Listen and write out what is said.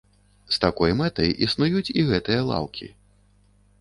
З такой мэтай існуюць і гэтыя лаўкі.